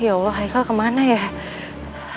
ya allah haikal kemana ya